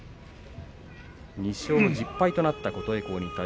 ２勝１０敗になった琴恵光。